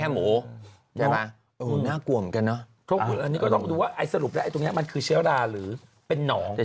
เหมือนกัน